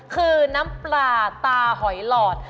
คือน้ำปลาตาหอยหลอด